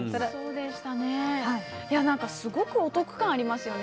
すごくお得感ありますよね。